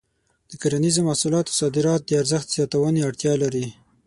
د کرنیزو محصولاتو صادرات د ارزښت زیاتونې اړتیا لري.